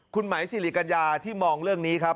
คุณไหมสิริกัญญาที่มองเรื่องนี้ครับ